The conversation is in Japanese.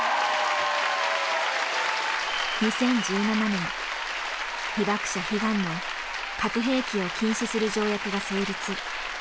２０１７年被爆者悲願の核兵器を禁止する条約が成立。